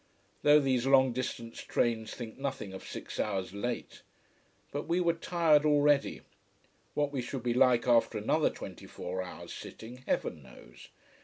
Though these long distance trains think nothing of six hours late. But we were tired already. What we should be like after another twenty four hours' sitting, heaven knows.